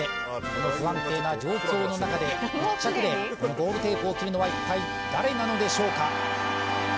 この不安定な状況の中で１着でゴールテープを切るのは一体誰なのでしょうか？